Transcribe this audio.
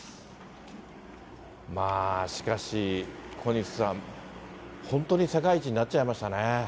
しかし小西さん、本当に世界一になっちゃいましたね。